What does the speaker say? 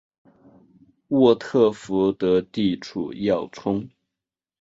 沃特福德地处要冲。